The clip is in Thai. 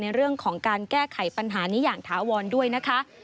ในเรื่องของการแก้ไขปัญหานี้อย่างถาวรด้วยนะคะ